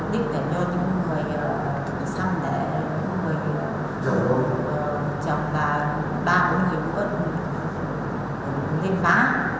để những người chồng và ba bốn người bất ngờ lên vá